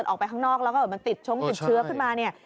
ออกไปข้างนอกแล้วก็มันติดชงติดเชื้อขึ้นมาเนี่ย